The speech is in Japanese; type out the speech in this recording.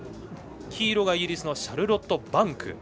黄色がイギリスのシャルロット・バンク。